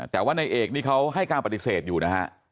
แต่ว่าในเอกนี่เขาให้การปฏิเสธอยู่นะฮะ